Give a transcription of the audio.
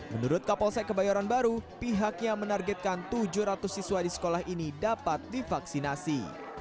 menurut kapolsek kebayoran baru pihaknya menargetkan tujuh ratus siswa di sekolah ini dapat divaksinasi